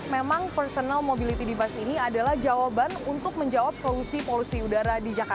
memang personal mobility device ini adalah jawaban untuk menjawab solusi polusi udara di jakarta